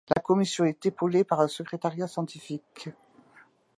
La commission est épaulée par un secrétariat scientifique.